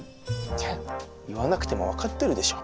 いや言わなくても分かってるでしょ？